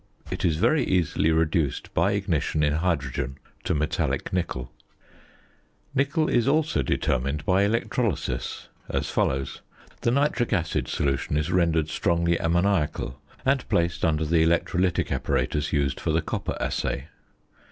It is very easily reduced by ignition in hydrogen to metallic nickel. [Illustration: FIG. 56.] Nickel is also determined by electrolysis, as follows: The nitric acid solution is rendered strongly ammoniacal, and placed under the electrolytic apparatus used for the copper assay.